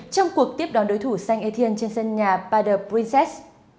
trong cuộc tiếp đón đối thủ saint étienne trên sân nhà pader princess